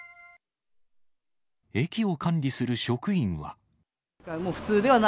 駅を管理する職員は。